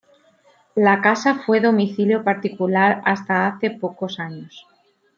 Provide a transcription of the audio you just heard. La casa fue domicilio particular hasta hace pocos años.